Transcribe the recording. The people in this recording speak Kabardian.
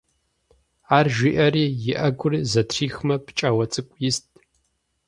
Ар жиӀэри, и Ӏэгур зэтрихмэ, пкӀауэ цӀыкӀу ист.